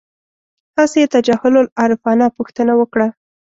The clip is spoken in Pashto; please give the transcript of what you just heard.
هسې یې تجاهل العارفانه پوښتنه وکړه.